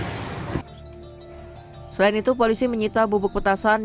hai selain itu polisi menyita bubuk petasan